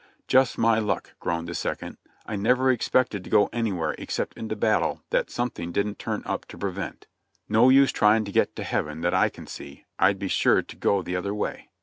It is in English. "Just my luck," groaned the second. "I never expected to gc anywhere except into battle that something didn't turn up to pre vent. No use trying to get to heaven, that I can see; I'd be sure to go the other way!"